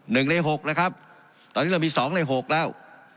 ๑ใน๖นะครับตอนนี้เรามี๒ใน๖แล้ว